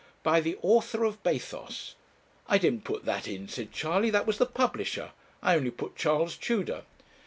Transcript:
"By the author of 'Bathos.'" 'I didn't put that in,' said Charley, 'that was the publisher. I only put Charles Tudor.'